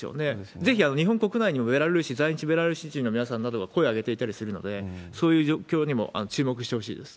ぜひ日本国内にもベラルーシ、在日ベラルーシ人の皆さんなどが声上げていたりするので、そういう状況にも注目してほしいです。